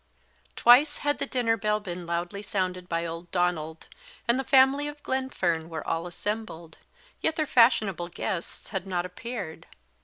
_ TWICE had the dinner bell been loudly sounded by old Donald, and the family of Glenfern were all assembled, yet their fashionable guests had not appeared.